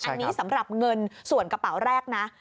อันนี้สำหรับเงินส่วนกระเป๋าแรกนะ